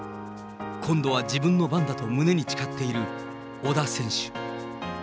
今度は自分の番だと胸に誓っている小田選手。